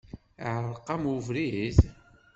Iεreq-am ubrid?